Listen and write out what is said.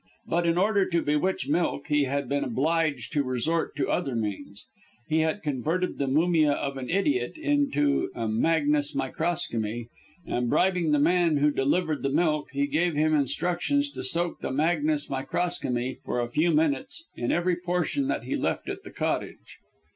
But in order to bewitch milk, he had been obliged to resort to other means. He had converted the mumia of an idiot into a magnes microcosmi; and bribing the man who delivered the milk, he gave him instructions to soak the magnes microcosmi, for a few minutes, in every portion that he left at the Cottage.